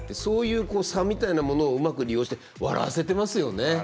そういう差みたいなものをうまく利用して笑わせてますよね。